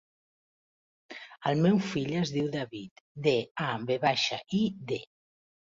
El meu fill es diu David: de, a, ve baixa, i, de.